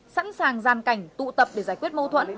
sẵn sàng gian cảnh tụ tập để giải quyết mâu thuẫn